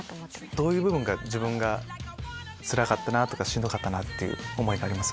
どういう部分が自分がつらかったとかしんどかった思いがあります？